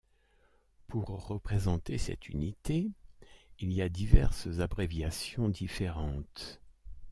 Pour représenter cette unité, il y a diverses abréviations différentes.